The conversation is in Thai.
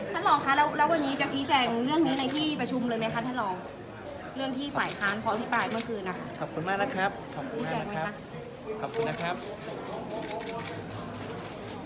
ท่านหลองคะแล้ววันนี้จะชี้แจงเรื่องนี้ในที่ประชุมเลยไหมคะท่านหลอง